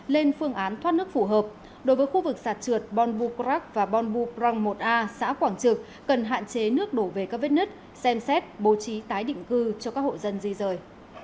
bên phương án thoát nước phù hợp đối với khu vực sạt trượt bonbukrak và bonbukrang một a xã quảng trực cần hạn chế nước đổ về các vết nứt xem xét bố trí tái định cư cho các hộ dân di rời